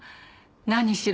何しろ